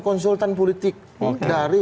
konsultan politik dari